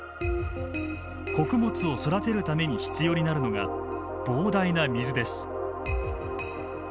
穀物を育てるために必要になるのが膨大な水です。